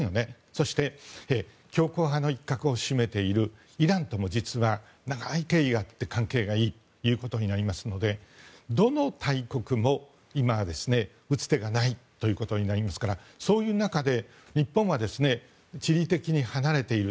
そして、強硬派の一角を占めているイランとも実は、ああいう経緯があっても関係がいいということになってどの大国も今は打つ手がないということになりますからそういう中で日本は地理的に離れている。